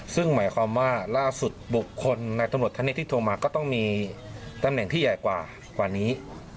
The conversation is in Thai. ซึ่งหมายความว่าล่าสุดบุคคลในตำรวจคณิตที่โทรมาก็ต้องมีตำแหน่งที่ใหญ่กว่านี้